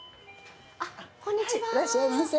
いらっしゃいませ。